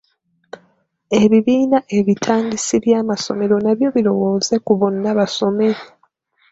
Ebibiina ebitandisi by'amasomero nabyo birowooze ku Bonna Basome.